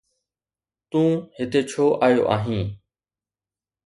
تون هتي ڇو آيو آهين؟